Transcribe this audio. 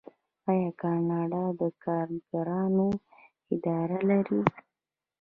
آیا کاناډا د کارګرانو اداره نلري؟